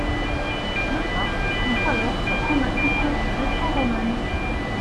Le parc prend alors sa thématique gréco-romaine.